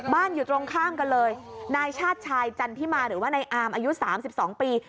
อยู่ตรงข้ามกันเลยนายชาติชายจันทิมาหรือว่านายอามอายุ๓๒ปี